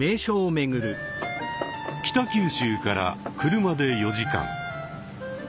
北九州から車で４時間。